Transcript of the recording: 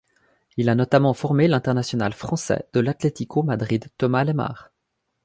Il a notamment formé l'international français de l'Atletico Madrid Thomas Lemar.